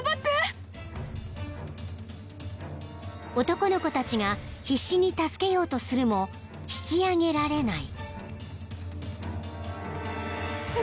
［男の子たちが必死に助けようとするも引き上げられない］